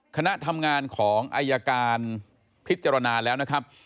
คณะทำงานของอายการพิจารณาแล้วนะครับ